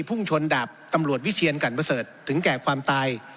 พุ่งชนดาบตำรวจวิเชียนกันประเสริฐถึงแก่ความตาย